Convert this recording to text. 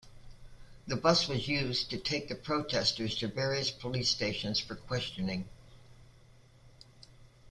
The bus was used to take the protestors to various police stations for questioning.